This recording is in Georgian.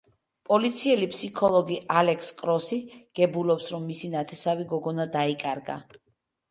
პოლიციელი ფსიქოლოგი ალექს კროსი გებულობს რომ მისი ნათესავი გოგონა დაიკარგა.